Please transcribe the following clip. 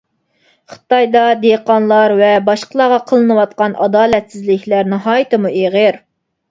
خىتايدا دېھقانلار ۋە باشقىلارغا قىلىنىۋاتقان ئادالەتسىزلىكلەر ناھايىتىمۇ ئېغىر.